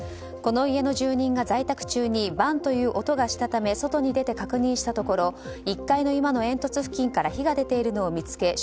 この家の住人が在宅中にバンという音がしたため外に出て確認したところ１階の居間の煙突付近から火が出ているのを見つけ